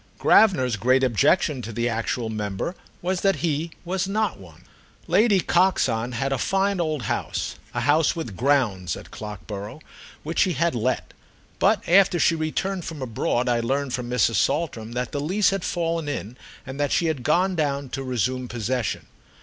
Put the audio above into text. Gravener's great objection to the actual member was that he was not one. Lady Coxon had a fine old house, a house with "grounds," at Clockborough, which she had let; but after she returned from abroad I learned from Mrs. Saltram that the lease had fallen in and that she had gone down to resume possession.